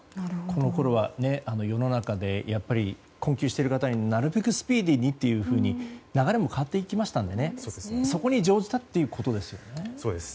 このころは、世の中で困窮している方になるべくスピーディーにというふうに流れも変わっていきましたのでそこに乗じたということですよね。